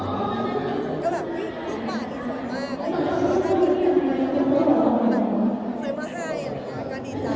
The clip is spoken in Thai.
คิดว่าปลาจะสวยมากถ้ากินกันจะดีใจ